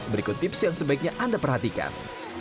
berikut tips yang sebaiknya anda perhatikan